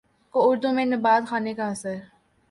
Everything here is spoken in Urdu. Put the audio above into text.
کو اردو میں نبات خانے کا اثر